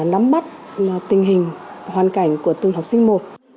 nắm mắt tình hình hoàn cảnh của từng học sinh một